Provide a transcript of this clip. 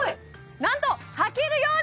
なんとはけるように！